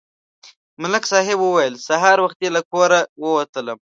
ملک صاحب وویل: سهار وختي له کوره ووتلم